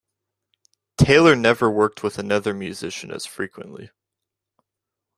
Taylor never worked with another musician as frequently.